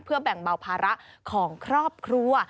เพื่อแบ่งเบาภาระของครอบครัว